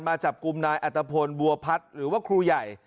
มาจับกลุ่มนายอัตภพลบัวพัฒน์หรือว่าครูใหญ่